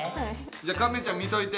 じゃあ亀ちゃん見といて。